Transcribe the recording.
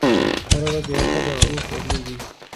هره ورځ یوه ښځه او اوښ ورلېږي.